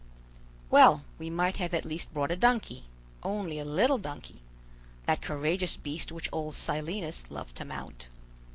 "Well, we might have at least brought a donkey, only a little donkey; that courageous beast which old Silenus loved to mount.